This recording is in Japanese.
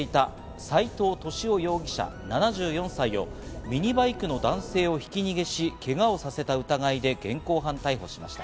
警察はタクシーを運転していた斉藤敏夫容疑者、７４歳をミニバイクの男性をひき逃げし、けがをさせた疑いで現行犯逮捕しました。